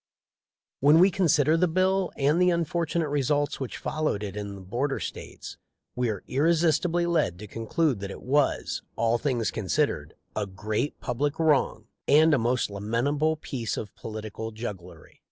When we consider the bill and the unfor tunate results which followed it in the border States we are irresistibly led to conclude that it was, all things considered, a great public wrong and a most lamentable piece of political jugglery.